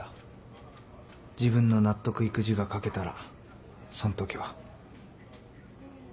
自分の納得いく字が書けたらそんときは。